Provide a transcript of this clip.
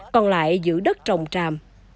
còn lại giữ đất trồng tràm